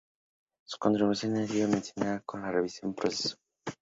Su contribución ha sido mencionada en la revista Proceso, "Jump Cut.